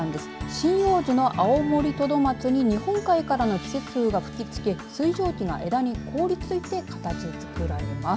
針葉樹のアオモリトドマツに日本海からの季節風がふきつけ水蒸気が枝に凍り付いて形づくられます。